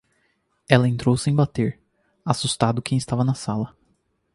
Ela entrou sem bater, assustado quem estava na sala.